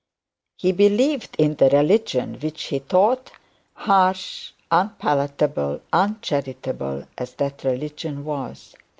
He believed in the religion which he taught, harsh, unpalatable, uncharitable as that religion was.